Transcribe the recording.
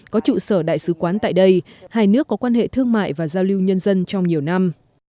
có trụ sở đại sứ quán tại đây hai nước có quan hệ thương mại và giao lưu nhân dân trong nhiều năm